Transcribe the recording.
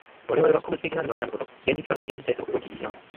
我々は個物的なればなるほど、現実から現実へと動き行きながら、